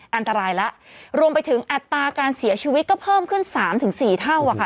อันตรายแล้วรวมไปถึงอัตราการเสียชีวิตก็เพิ่มขึ้นสามถึงสี่เท่าอ่ะค่ะ